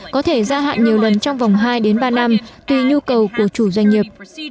có thể gia hạn nhiều lần trong vòng hai đến ba năm tùy nhu cầu của chủ doanh nghiệp